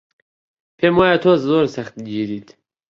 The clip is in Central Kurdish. پێم وایە تۆ زۆر سەختگریت.